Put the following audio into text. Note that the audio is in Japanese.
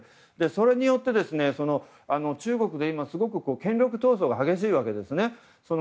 それによって中国が今すごく権力闘争が激しいわけですね。